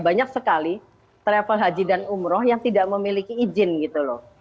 banyak sekali travel haji dan umroh yang tidak memiliki izin gitu loh